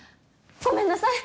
ごめんなさい！